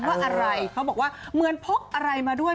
ว่าอะไรเขาบอกว่าเหมือนพกอะไรมาด้วย